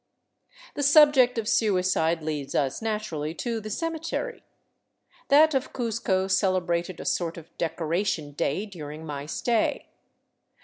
The subject of suicide leads us naturally to the cemetery. That of Cuzco celebrated a sort of " Decoration Day " during my stay.